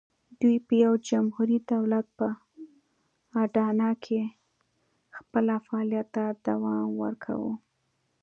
دوی په یوه جمهوري دولت په اډانه کې خپل فعالیت ته دوام ورکاوه.